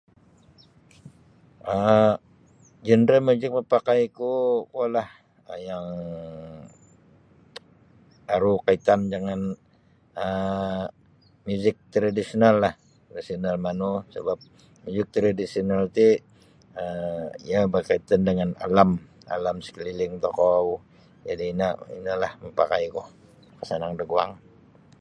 um Genre muzik mapakai ku kuo lah um yang aru kaitan jangan um muzik tradisional lah tradisional manu sabab muzik tradisional ti um yang berkaitan dengan alam alam sekeliling tokou jadi ino ino lah mapakai ku makasang da guang.